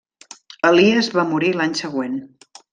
Elies va morir l'any següent.